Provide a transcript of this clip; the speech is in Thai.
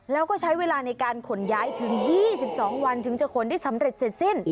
แล้วก็ใช้เวลาในการขนย้ายถึง๒๒วันถึงจะขนได้สำเร็จเสร็จสิ้น